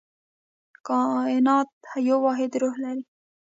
کائنات یو واحد روح لري.